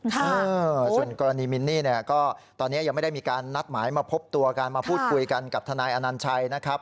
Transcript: ค่ะส่วนกรณีมินนี่เนี่ยก็ตอนนี้ยังไม่ได้มีการนัดหมายมาพบตัวกันมาพูดคุยกันกับทนายอนัญชัยนะครับ